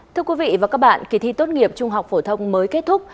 thưa quý vị và các bạn kỳ thi tốt nghiệp trung học phổ thông mới kết thúc